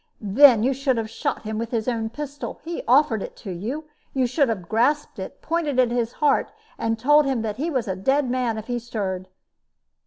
"Then you should have shot him with his own pistol. He offered it to you. You should have grasped it, pointed it at his heart, and told him that he was a dead man if he stirred."